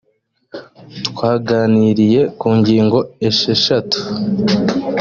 twaganiriye kungino esheshatu.